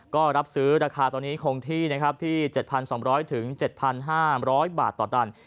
ก็รับซื้อราคาตอนนี้คงที่๗๒๐๐ถึง๗๕๐๐บาทต่อตัน